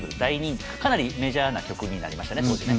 かなりメジャーな曲になりましたね当時ね。